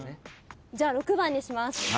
じゃあ６番にします。